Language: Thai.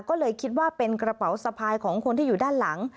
ก็เลยคิดว่าเป็นกระเป๋าสะพายของคนที่อยู่ด้านหลัง